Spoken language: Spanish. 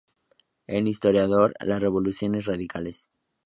El Historiador, Las revoluciones radicales